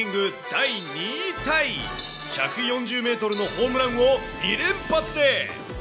第２位タイ、１４０メートルのホームランを２連発で。